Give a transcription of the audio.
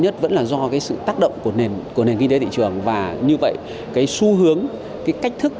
nhất vẫn là do cái sự tác động của nền kinh tế thị trường và như vậy cái xu hướng cái cách thức